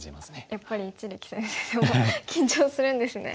やっぱり一力先生でも緊張するんですね。